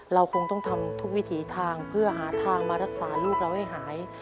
เราคงต้องทำทุกวิถีทางเพื่อหาทางมารักษาลูกเราให้หาย